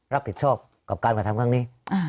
รับผิดชอบกับการกระทำครั้งนี้